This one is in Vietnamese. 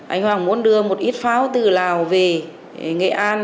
anh hoàng muốn đưa một ít pháo từ lào về nghệ an